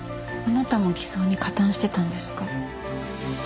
あなたも偽装に加担してたんですか？